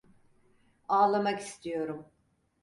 Ağlamak istiyorum.